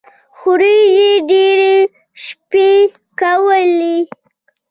هورې يې ډېرې شپې کولې.